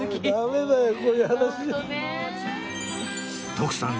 徳さん